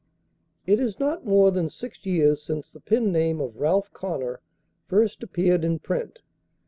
It is not more than six years since the pen name of "Ralph Connor" first appeared in print.